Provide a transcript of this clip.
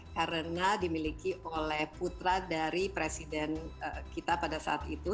karena dimiliki oleh putra dari presiden kita pada saat itu